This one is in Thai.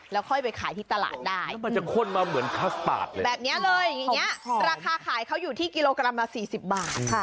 แบบนี้เลยอย่างงี้นี้ราคาขายเขาอยู่ที่กิโลกรัม๔๐บาทค่ะ